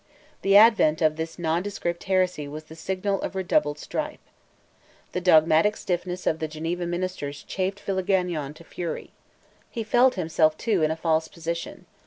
The advent of this nondescript heresy was the signal of redoubled strife. The dogmatic stiffness of the Geneva ministers chafed Villegagnon to fury. He felt himself, too, in a false position.